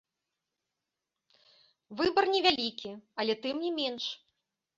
Выбар невялікі, але тым не менш.